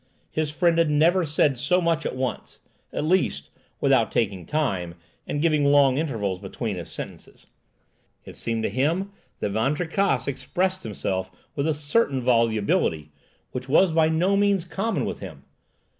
His friend had never said so much at once—at least, without taking time, and giving long intervals between his sentences. It seemed to him that Van Tricasse expressed himself with a certain volubility, which was by no means common with him.